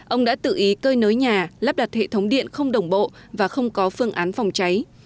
ông đã tự ý cơi nới nhà lắp đặt hệ thống điện không đồng bộ và không có phương án phòng cháy